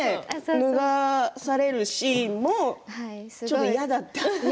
脱がされるシーンもちょっと嫌だった？